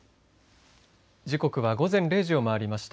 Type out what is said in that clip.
時刻は午前０時を回りました。